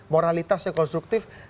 moralitas yang konstruktif